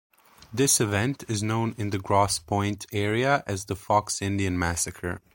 This event is known in the Grosse Pointe area as the Fox Indian Massacre.